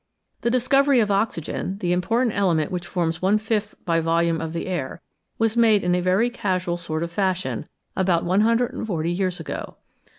The discovery of oxygen, the important element which forms one fifth by volume of the air, was made in a very casual sort of fashion about 140 years ago.